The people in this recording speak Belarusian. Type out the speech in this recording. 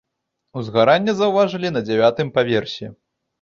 Узгаранне заўважылі на дзявятым паверсе.